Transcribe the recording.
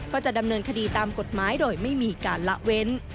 ก็จะดำเนินคดีตามกฎหมายโดยไม่มีการละเว้น